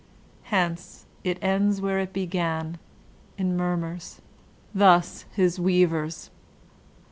Hence it ends where it b^an, in mur murs. Thus his "Weavers."